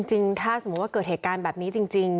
จริงถ้าสมมุติว่าเกิดเหตุการณ์แบบนี้จริง